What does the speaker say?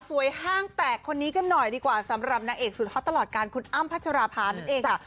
ห้างแตกคนนี้กันหน่อยดีกว่าสำหรับนางเอกสุดฮอตตลอดการคุณอ้ำพัชราภานั่นเองค่ะ